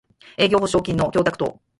営業保証金の供託等